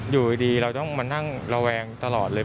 อยู่ดีเราต้องมานั่งระแวงตลอดเลย